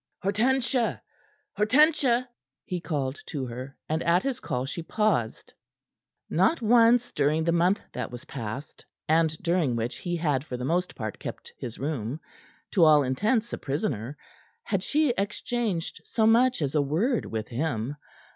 "Hortensia! Hortensia!" he called to her, and at his call she paused. Not once during the month that was past and during which he had, for the most part, kept his room, to all intents a prisoner had she exchanged so much as a word with him.